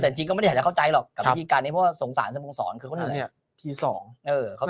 แต่จริงก็ไม่ได้เข้าใจหรอกกับวิธีการนี้เพราะว่าสงสารสมุงสรรค์คือพวกนั้นแหละ